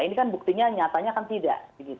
ini kan buktinya nyatanya kan tidak